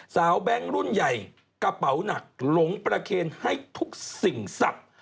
สาวแบงก์รุ่นใหญ่กระเป๋านักหลงประเครนให้ทุกสิ่งสัก